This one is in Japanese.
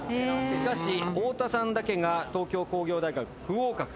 しかし太田さんだけが東京工業大学不合格。